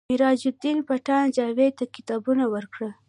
میراج الدین پټان جاوید ته کتابونه ورکول